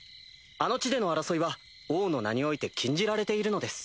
あの地での争いは王の名において禁じられているのです。